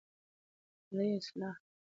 اداري اصلاح دوامداره بهیر دی چې ثبات زیاتوي